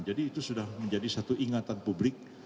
jadi itu sudah menjadi satu ingatan publik